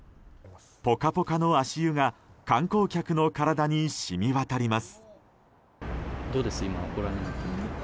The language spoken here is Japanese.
ポカポカの足湯が観光客の体に染み渡ります。